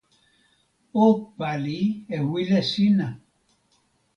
o pali e wile sina.